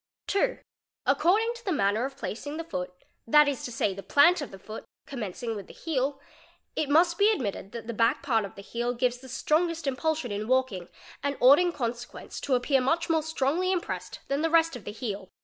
| 2. According to the manner of placing the foot, that is to say, _ the plant of the foot, commencing with the heel, it must be admitted that the back part of the heel gives the strongest impulsion in walking and ought in consequence to appear much more strongly impressed than the rest of the heel.